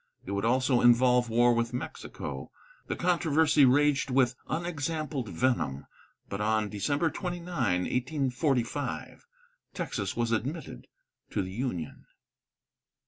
It would also involve war with Mexico. The controversy raged with unexampled venom, but on December 29, 1845, Texas was admitted to the Union.